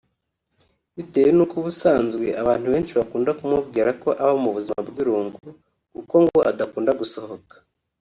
bitewe nuko ubusanzwe abantu benshi bakunda kumubwira ko aba mu buzima bw’irungu kuko ngo adakunda gusohoka